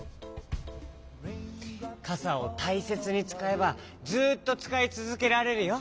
かさをたいせつにつかえばずっとつかいつづけられるよ。